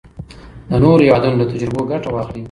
د نورو هیوادونو له تجربو ګټه واخلئ.